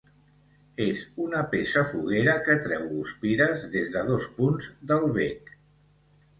És una peça foguera que treu guspires des de dos punts del bec.